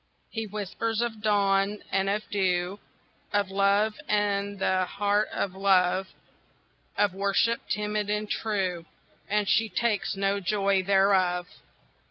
He whispers of dawn and of dew, Of love, and the heart of love, Of worship, timid and true, And she takes no joy thereof.